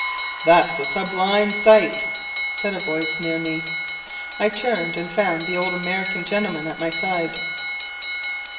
"That's a sublime sight!" said a voice near me. I turned, and found the old American gentleman at my side.